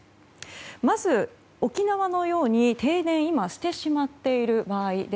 まず、沖縄のように停電、今してしまっている場合